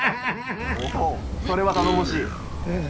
おおそれは頼もしい！